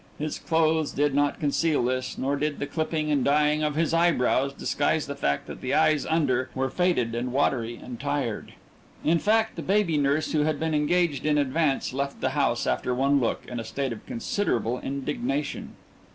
His clothes did not conceal this, nor did the clipping and dyeing of his eyebrows disguise the fact that the eyes underneath were faded and watery and tired. In fact, the baby nurse who had been engaged in advance left the house after one look, in a state of considerable indignation.